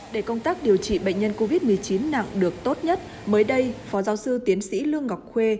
để công tác điều trị bệnh nhân covid một mươi chín nặng được tốt nhất mới đây phó giáo sư tiến sĩ lương ngọc khuê